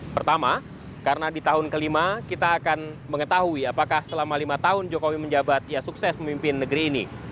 pertama karena di tahun kelima kita akan mengetahui apakah selama lima tahun jokowi menjabat ia sukses memimpin negeri ini